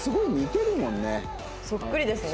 そっくりですね。